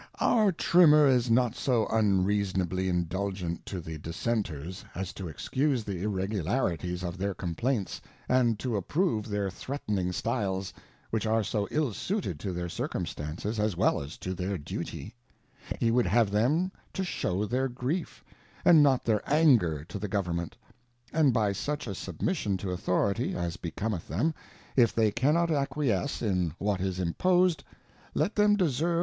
Our Trimmer is not so unreasonably indulgent to the Dis senters7as to excuse the TlregulanHes^rtherr X^mptamfsTand"^ to ajj^prove theii thi eatning Stiles, which are so ill suited to their Circumstances as "well as to their Duty; he would have them to shew their Grief, and not their Anger to the Government, and by such a Submission to Authority, as becometh them, if they cann_Qt_acquiesceJuLjdiaL is imposed, letjthein dgseiva.